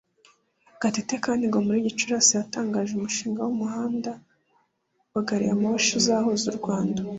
Gatete kandi ngo muri Gicurasi yatangaje umushinga w’umuhanda wa gari ya moshi uzahuza u Rwanda